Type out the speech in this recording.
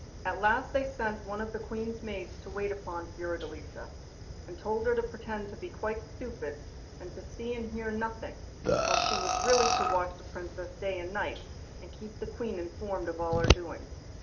At last they sent one of the Queen's maids to wait upon Fiordelisa, and told her to pretend to be quite stupid, and to see and hear nothing, while she was really to watch the Princess day and night, and keep the Queen informed of all her doings.